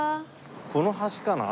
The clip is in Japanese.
この橋かな？